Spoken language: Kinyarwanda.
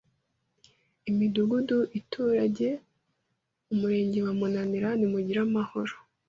imidugudu aturage ’Umurenge wa Munanira Nimugire amahoro!”